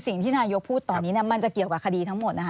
สิ่งที่นายกพูดตอนนี้มันจะเกี่ยวกับคดีทั้งหมดนะคะ